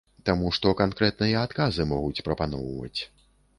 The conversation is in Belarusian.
Таму што канкрэтныя адказы могуць прапаноўваць.